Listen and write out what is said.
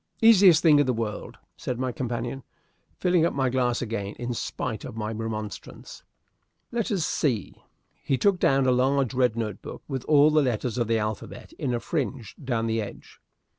"Easiest thing in the world," said my companion, filling up my glass again in spite of my remonstrance. "Let us see!" Here he took down a large red note book, with all the letters of the alphabet in a fringe down the edge.